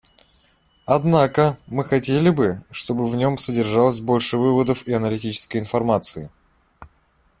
Однако мы хотели бы, чтобы в нем содержалось больше выводов и аналитической информации.